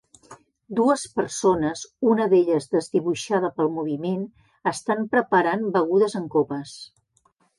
Dues persones, una d'elles desdibuixada pel moviment, estan preparant begudes en copes